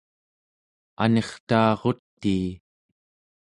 anirtaarutii